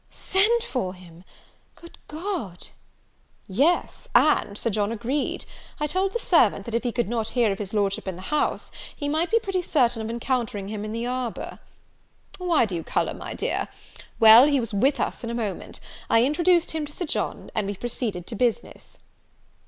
"Send for him! Good God!" "Yes; and Sir John agreed. I told the servant, that if he could not hear of his Lordship in the house, he might be pretty certain of encountering him in the arbour. Why do you colour, my dear? Well, he was with us in a moment: I introduced him to Sir John; and we proceeded to business."